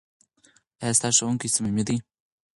ایا ستا ښوونکی صمیمي دی؟